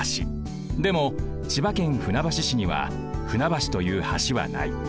でも千葉県船橋市には船橋という橋はない。